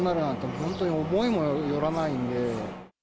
本当に思いもよらないんで。